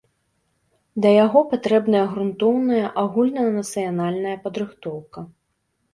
Да яго патрэбная грунтоўная агульнанацыянальная падрыхтоўка.